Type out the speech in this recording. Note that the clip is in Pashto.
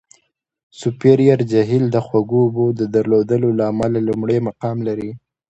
سوپریر جهیل د خوږو اوبو د درلودلو له امله لومړی مقام لري.